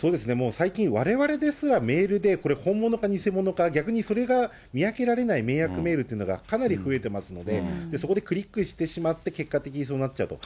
最近、われわれですらメールでこれ、本物か、偽物か、逆にそれが見分けられない迷惑メールっていうのが、かなり増えてますので、そこでクリックしてしまって、結果的にになっちゃうと。